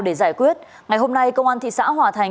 để giải quyết ngày hôm nay công an thị xã hòa thành